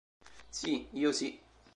Si io si!